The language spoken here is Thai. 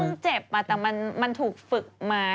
มันเจ็บแต่มันถูกฝึกมา